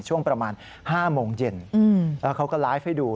ช่วงประมาณ๕โมงเย็นแล้วเขาก็ไลฟ์ให้ดู